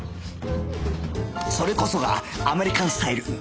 それこそがアメリカンスタイル